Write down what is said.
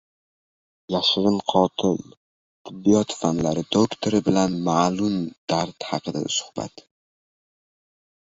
«Yashirin qotil»... Tibbiyot fanlari doktori bilan mal’un dard haqida suhbat